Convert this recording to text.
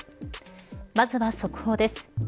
まずは速報です。